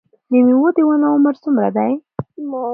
د میوو د ونو عمر څومره دی؟